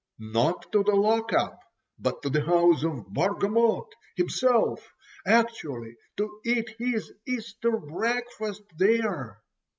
Not to the lock up, but to the house of Bargamot himself—actually to eat his Easter breakfast there!